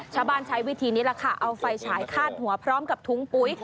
ใช้วิธีนี้แหละค่ะเอาไฟฉายคาดหัวพร้อมกับถุงปุ๋ย